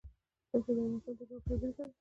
دښتې د افغانستان د جغرافیې بېلګه ده.